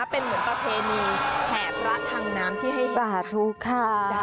เป็นเหมือนประเพณีแห่พระทางน้ำที่ให้สาธุค่ะ